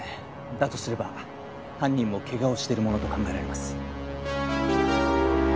だとすれば犯人もケガをしてるものと考えられます。